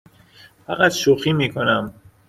فقط شوخی می کنم.